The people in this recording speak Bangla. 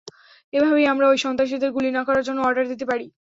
এভাবেই আমরা ওই সন্ত্রাসীদের গুলি না করার জন্য অর্ডার দিতে পারি।